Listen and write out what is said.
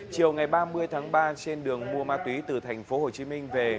chiều ngày ba mươi tháng ba trên đường mua ma túy từ tp hcm về